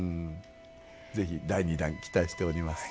是非第２弾期待しております。